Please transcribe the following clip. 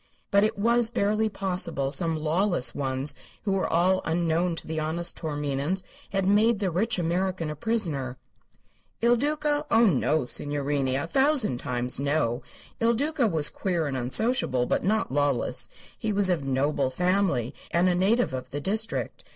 But it was barely possible some lawless ones who were all unknown to the honest Taorminians had made the rich American a prisoner. Il Duca? Oh, no, signorini! A thousand times, no. Il Duca was queer and unsociable, but not lawless. He was of noble family and a native of the district.